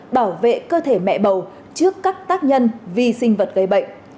bảo vệ cơ thể mẹ bầu trước các tác nhân vi sinh vật gây bệnh